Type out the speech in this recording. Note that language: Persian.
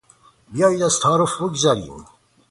بیایید از تعارف بگذریم.